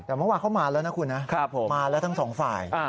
แต่เมื่อวานเขามาแล้วนะคุณนะมาแล้วทั้งสองฝ่าย